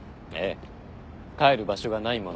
帰る場所がないもので。